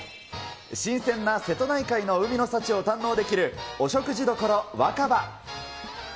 新鮮な瀬戸内海の海の幸を堪能できるお食事処わか葉。